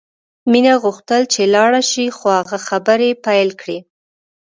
مینه غوښتل چې لاړه شي خو هغه خبرې پیل کړې